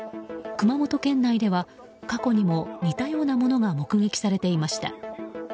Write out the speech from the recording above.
熊本県内では過去にも、似たようなものが目撃されていました。